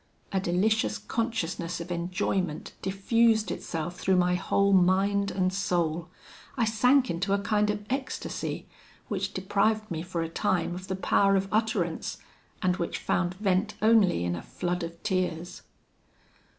A delicious consciousness of enjoyment diffused itself through my whole mind and soul. I sank into a kind of ecstasy, which deprived me for a time of the power of utterance, and which found vent only in a flood of tears.